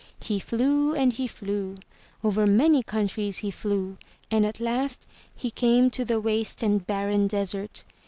He flew and he flew. Over many countries he flew, and at last he came to the waste and barren desert.